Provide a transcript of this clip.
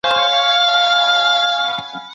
مجلس د بهرني سياست په اړه خبرې کوي.